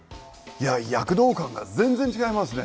いや躍動感が全然違いますね！